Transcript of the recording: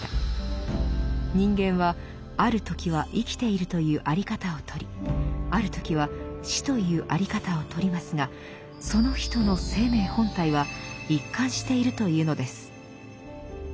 人間はある時は生きているというあり方をとりある時は死というあり方をとりますがその人の「生命本体」は一貫しているというのです。